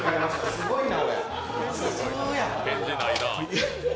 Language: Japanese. すごいな。